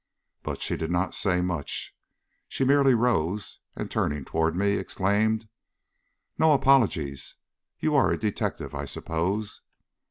But she did not say much; she merely rose, and, turning toward me, exclaimed: 'No apologies; you are a detective, I suppose?'